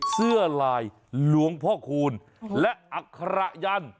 เสื้อลายหลวงพ่อคูณและอัคระยันต์